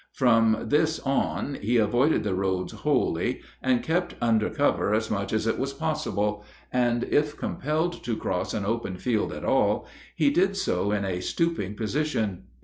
From this on he avoided the roads wholly, and kept under cover as much as it was possible; and if compelled to cross an open field at all, he did so in a stooping position.